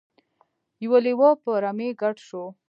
یو لیوه په رمې ګډ شو.